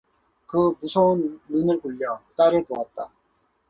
그 무서운 눈을 굴려 딸을 보았다.